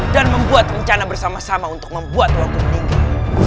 dan membuat rencana bersama sama untuk membuat wakil meninggal